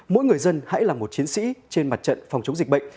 mỗi người dân hãy là một chiến sĩ trên mặt trận phòng chống dịch bệnh